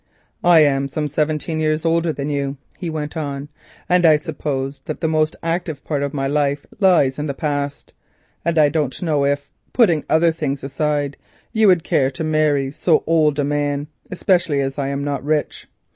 "I am some seventeen years older than you," he went on, "and I suppose that the most active part of my life lies in the past; and I don't know if, putting other things aside, you could care to marry so old a man, especially as I am not rich.